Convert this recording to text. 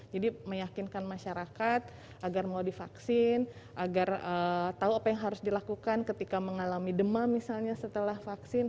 jadi meyakinkan masyarakat agar mau divaksin agar tahu apa yang harus dilakukan ketika mengalami demam misalnya setelah vaksin